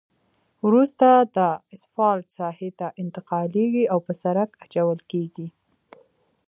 وروسته دا اسفالټ ساحې ته انتقالیږي او په سرک اچول کیږي